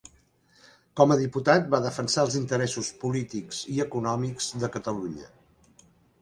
Com a diputat, va defensar els interessos polítics i econòmics de Catalunya.